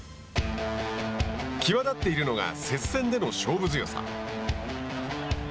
際立っているのが接戦での勝負強さ。